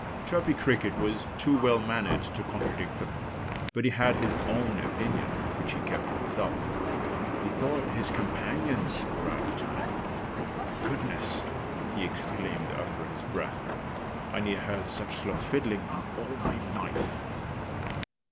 Chirpy Cricket was too well mannered to contradict them. But he had his own opinion, which he kept to himself. He thought his companions were out of time. "Goodness!" he exclaimed under his breath. "I near heard such slow fiddling in all my life!"